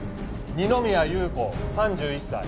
二宮裕子３１歳。